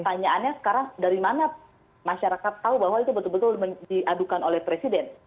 pertanyaannya sekarang dari mana masyarakat tahu bahwa itu betul betul diadukan oleh presiden